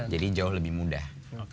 jadi jauh lebih mudah